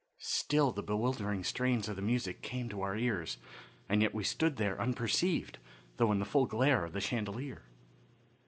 Still the bewildering strains of the music came to our ears, and yet we stood there unperceived, though in the full glare of the chandelier.